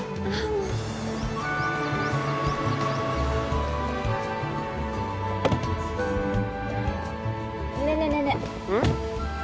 もうねえねえねえねえうん？